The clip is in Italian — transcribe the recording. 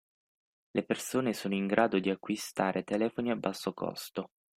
Le persone sono in grado di acquistare telefoni a basso costo.